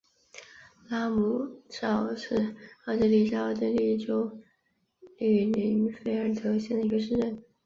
拉姆绍是奥地利下奥地利州利林费尔德县的一个市镇。